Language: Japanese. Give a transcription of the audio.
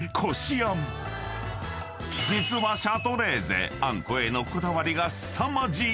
［実はシャトレーゼあんこへのこだわりがすさまじい！］